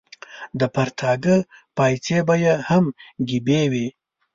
د پرتاګه پایڅې به یې هم ګیبي وې.